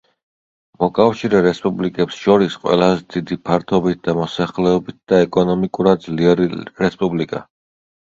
მოკავშირე რესპუბლიკებს შორის ყველაზე დიდი ფართობით და მოსახლეობით და ეკონომიკურად ძლიერი რესპუბლიკა.